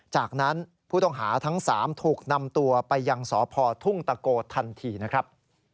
จากนั้นผู้ต้องหาทั้ง๓ถูกนำตัวไปยังสพทุ่งตะโกทันทีนะครับ